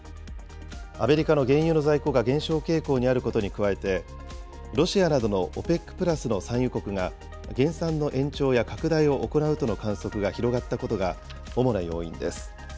アメリカの原油の在庫が減少傾向にあることに加えて、ロシアなどのＯＰＥＣプラスの産油国が減産の延長や拡大を行うとの観測が広がったことが主な要因です。